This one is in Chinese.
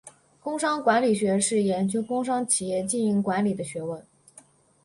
工商管理学是研究工商企业经营管理的学问。